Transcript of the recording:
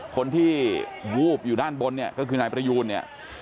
คนที่วูบอยู่ด้านบนเนี่ยก็คือนายประยูนเนี่ย